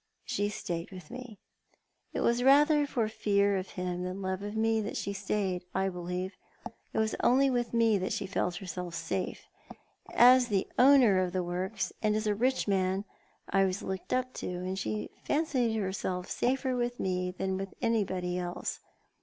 She stayed with me. It was rather for fear of him than love of me that she stayed, I believe. It was only with me that she felt herself safe. As owner of the works, and as a rich man, I was looked up to, and she fancied herself safer with me than with anybody else.